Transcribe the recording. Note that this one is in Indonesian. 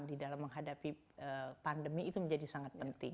di dalam menghadapi pandemi itu menjadi sangat penting